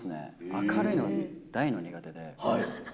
明るいの、大の苦手で。